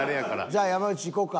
じゃあ山内いこうか。